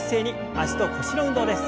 脚と腰の運動です。